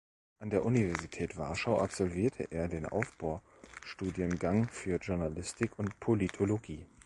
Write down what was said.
An der Universität Warschau absolvierte er den Aufbaustudiengang für Journalistik und Politologie.